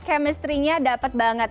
chemistry nya dapet banget